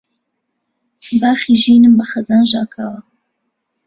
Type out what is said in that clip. باخی ژینم بە خەزان ژاکاوە